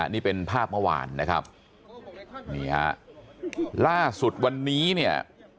นี่เป็นภาพเมื่อวานนะครับนี่ฮะล่าสุดวันนี้เนี่ย